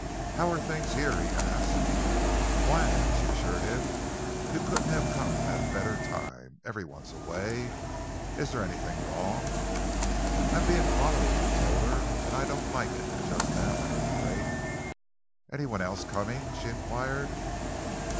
"How are things here?" he asked. "Quiet," she assured him. "You couldn't have come at a better time. Every one's away. Is there anything wrong?" "I am being followed," he told her, "and I don't like it just now, at any rate." "Any one else coming?" she enquired.